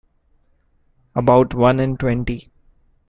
About one in twenty.